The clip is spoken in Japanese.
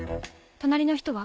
隣の人は？